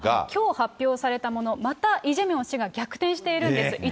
きょう発表されたもの、またイ・ジェミョン氏が逆転しているんです。